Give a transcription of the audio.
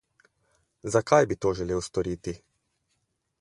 Zakaj bi to želel storiti?